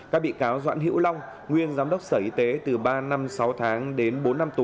các bị cáo doãn hữu long nguyên giám đốc sở y tế từ ba năm sáu tháng đến bốn năm tù